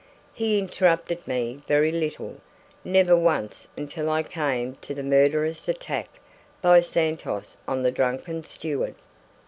He interrupted me very little; never once until I came to the murderous attack by Santos on the drunken steward.